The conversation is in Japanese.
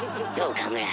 岡村。